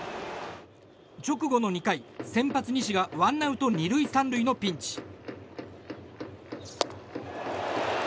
直後の２回、先発、西がワンアウト２塁３塁のピンチ。